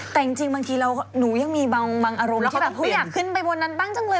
แต่จริงบางทีหนูยังมีบางอารมณ์แล้วก็แบบเฮ้ยอยากขึ้นไปบนนั้นบ้างจังเลย